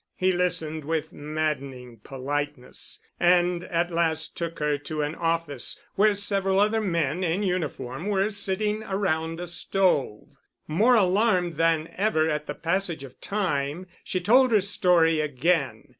He listened with maddening politeness and at last took her to an office where several other men in uniform were sitting around a stove. More alarmed than ever at the passage of time, she told her story again.